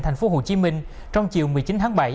thành phố hồ chí minh trong chiều một mươi chín tháng bảy